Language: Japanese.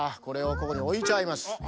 これをここにおいちゃいます。